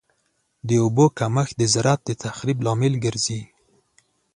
د اوبو کمښت د زراعت د تخریب لامل ګرځي.